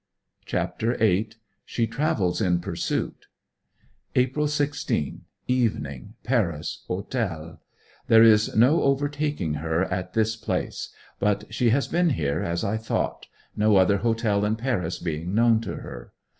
CHAPTER VIII. SHE TRAVELS IN PURSUIT April 16. Evening, Paris, Hotel . There is no overtaking her at this place; but she has been here, as I thought, no other hotel in Paris being known to her.